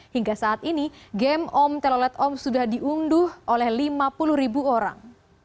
hingga saat ini game om telolet om sudah diunduh oleh lima puluh ribu orang